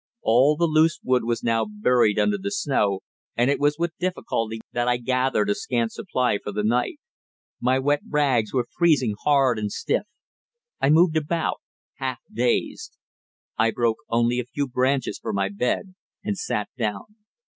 All the loose wood was now buried under the snow, and it was with difficulty that I gathered a scant supply for the night. My wet rags were freezing hard and stiff. I moved about, half dazed. I broke only a few branches for my bed, and sat down.